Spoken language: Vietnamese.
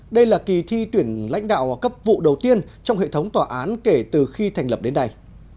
đây là kỳ thi tuyển lãnh đạo cấp vụ đầu tiên trong hệ thống tòa án kể từ khi thành lập đến đây